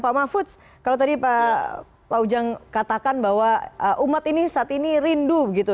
pak mahfud kalau tadi pak ujang katakan bahwa umat ini saat ini rindu begitu